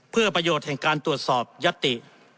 เพื่อประโยชน์แห่งการตรวจสอบยัตติ